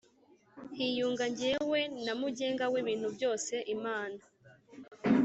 Hiyunga jyewe na mugenga w ibintu byose Imana